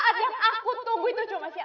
setiap saat aku ditunggu juga cuma siapa